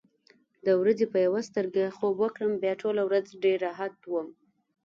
د ورځې چې یوه سترګه خوب وکړم، بیا ټوله ورځ ډېر راحت وم.